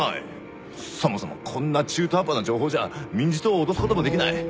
そもそもこんな中途半端な情報じゃ民事党を脅すこともできない。